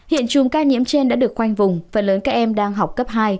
hiện chùm ca nhiễm trên đã được khoanh vùng phần lớn các em đang học cấp hai